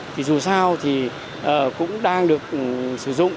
thì dù sao cũng đang được sử dụng